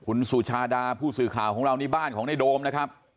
คุณสุชาดาผู้สื่อข่าวของเรานี่บ้านของในโดมนะครับ